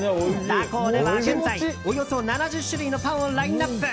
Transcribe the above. ダコーでは現在およそ７０種類のパンをラインアップ。